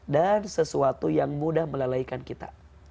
dan sesuatu yang mudah melalaikan kita